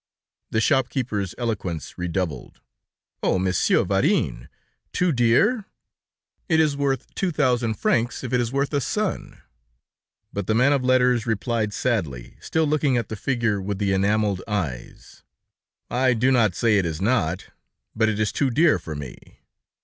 The shop keeper's eloquence redoubled. "Oh! Monsieur Varin, too dear? It is worth two thousand francs, if it is worth a son." But the man of letters replied sadly, still looking at the figure with the enameled eyes: "I do not say it is not; but it is too dear for me."